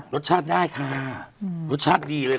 รสชาติได้ค่ะรสชาติดีเลย